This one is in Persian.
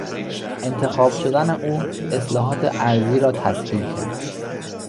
انتخاب شدن او اصلاحات ارضی را تسهیل کرد.